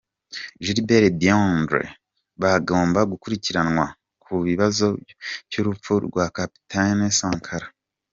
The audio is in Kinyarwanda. Gilbert Diendéré, bagomba gukurikiranwa ku kibazo cy’urupfu rwa capitaine Sankara.